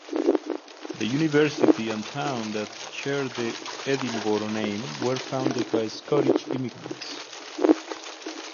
The university and town that share the Edinboro name were founded by Scottish immigrants.